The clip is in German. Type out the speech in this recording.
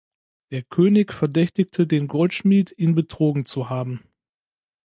Der König verdächtigte den Goldschmied, ihn betrogen zu haben.